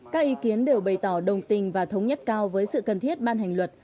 các ý kiến đều bày tỏ đồng tình và thống nhất cao với sự cần thiết ban hành luật